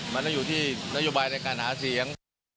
มันต้องอยู่ที่นโยบายในการหาเสียง